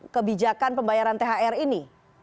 kebijakan pembayaran thr ini